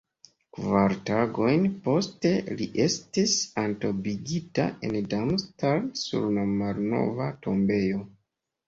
Kvar tagojn poste li estis entombigita en Darmstadt sur la malnova tombejo.